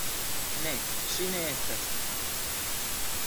Ne, ŝi ne estas.